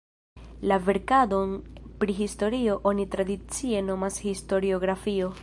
La verkadon pri historio oni tradicie nomas historiografio.